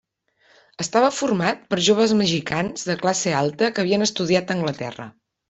Estava format per joves mexicans de classe alta que havien estudiat a Anglaterra.